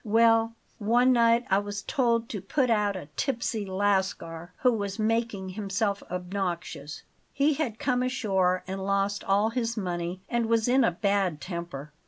Well, one night I was told to put out a tipsy Lascar who was making himself obnoxious; he had come ashore and lost all his money and was in a bad temper.